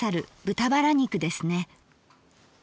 豚バラ肉ですね。